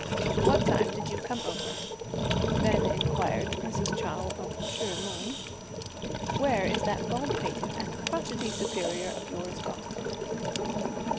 "What time did you come over?" then inquired Mrs. Chou of Chih Neng. "Where is that bald pated and crotchety superior of yours gone?"